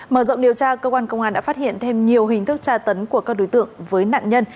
mở rộng điều tra cơ quan công an đã phát hiện thêm nhiều hình thức tra tấn của các đối tượng với nạn nhân